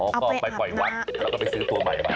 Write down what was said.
ก็ไปปล่อยวัดแล้วก็ไปซื้อตัวใหม่มา